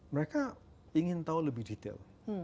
mereka ingin tahu lebih detail